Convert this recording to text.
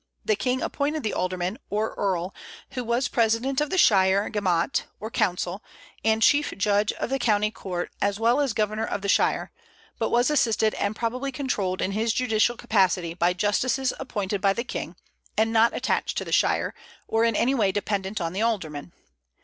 The king appointed the alderman, or eorl, who was president of the shire gemot, or council, and chief judge of the county court as well as governor of the shire, but was assisted and probably controlled in his judicial capacity by justices appointed by the king, and not attached to the shire, or in any way dependent on the alderman.